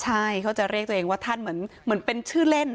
ใช่เขาจะเรียกตัวเองว่าท่านเหมือนเป็นชื่อเล่น